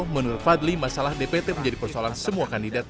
menurut fadli masalah dpt menjadi persoalan semua kandidat